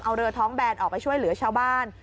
เอาเรือท้องแบนออกไปช่วยเหลือชาวบ้าน